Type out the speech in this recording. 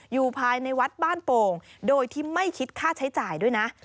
อยู่ภายในวัดบ้านโป่งโดยที่ไม่คิดค่าใช้จ่ายด้วยนะ